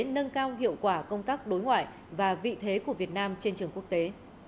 nâng cao hiệu quả công tác đối ngoại và vị thế của việt nam trên trường quốc tế